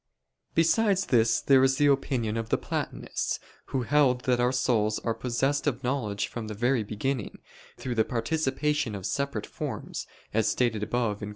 Besides this, there is the opinion of the Platonists, who held that our souls are possessed of knowledge from the very beginning, through the participation of separate forms, as stated above (Q.